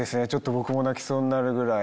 僕も泣きそうになるぐらい。